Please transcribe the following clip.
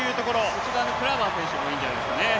内側のクラバー選手もいいんじゃないでしょうかね。